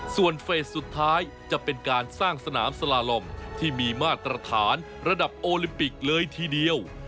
ส่วนเฟสสุดท้ายจะเป็นการสร้างสนามสลาลมที่มีมาตรฐานระดับโอลิมปิกเลยทีเดียว